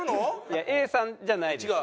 いやＡさんじゃないです。